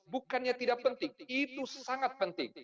bukannya tidak penting itu sangat penting